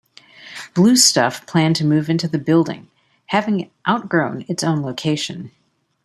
Blue Stuff planned to move into the building, having outgrown its own location.